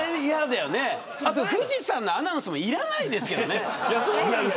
富士山のアナウンスもいらないですけどね。